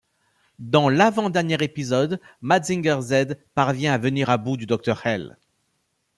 Dans l'avant-dernier épisode, Mazinger Z parvient à venir à bout du Docteur Hell.